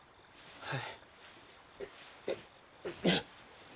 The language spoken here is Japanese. はい。